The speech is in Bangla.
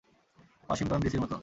ওয়াশিংটন ডিসির মত।